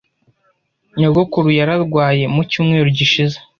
Nyogokuru yararwaye mu cyumweru gishize.